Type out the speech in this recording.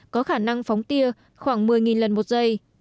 có khả năng phóng tia khoảng một mươi lần một giây